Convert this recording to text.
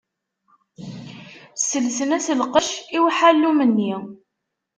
Sselsen-as lqecc i uḥallum-nni.